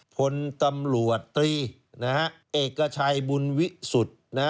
พลตำรวจตรีเอกชัยบุญวิสุทธิ์